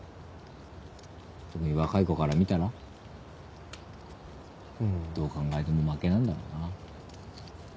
特に若い子から見たらどう考えても負けなんだろうな。